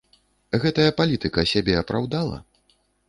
Гэтая палітыка сябе апраўдала?